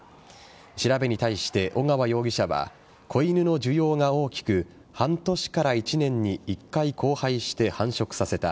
調べに対して尾川容疑者は子犬の需要が大きく半年から１年に１回交配して繁殖させた。